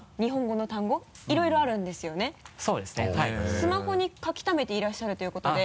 スマホに書きためていらっしゃるということで。